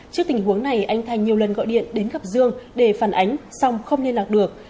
trước tình huống này anh thành nhiều lần gọi điện đến gặp dương để phản ánh song không liên lạc được